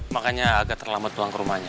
makanya agak terlambat pulang ke rumahnya